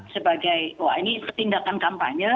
sebagai wah ini tindakan kampanye